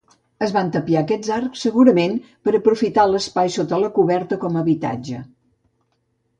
Es van tapiar aquests arcs, segurament, per aprofitar l'espai sota coberta com habitatge.